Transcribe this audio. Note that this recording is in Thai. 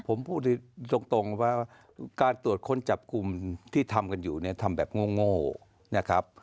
ผมพูดตรงว่าการตรวจค้นจับกลุ่มที่ทำกันอยู่เนี่ยทำแบบโง่นะครับ